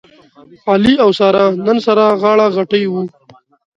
علي او ساره نن سره غاړه غټۍ و.